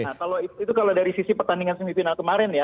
nah kalau itu kalau dari sisi pertandingan semifinal kemarin ya